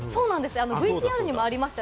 ＶＴＲにもありました